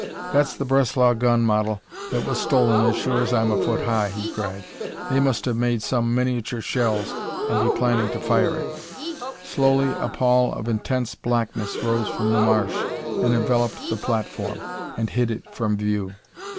"That's the Breslau gun model that was stolen as sure as I'm a foot high!" he cried. "They must have made some miniature shells and be planning to fire it." Slowly a pall of intense blackness rose from the marsh and enveloped the platform and hid it from view.